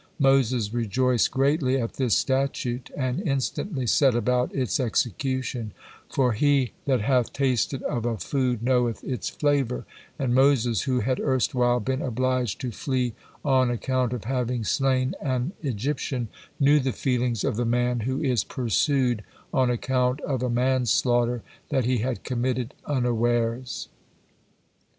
'" Moses rejoiced greatly at this statute, and instantly set about its execution, for "he that hath tasted of a food knoweth its flavor," and Moses who had erstwhile been obliged to flee on account of having slain an Egyptian, knew the feelings of the man who is pursued on account of a manslaughter that he had committed unawares.